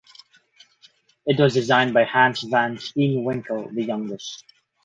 It was designed by Hans van Steenwinckel the Youngest.